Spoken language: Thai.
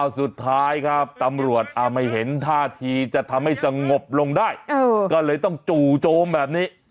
สุดท้ายครับตำรวจไม่เห็นท่าทีจะทำให้สงบลงได้ก็เลยต้องจู่โจมแบบนี้